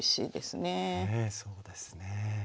ねぇそうですね。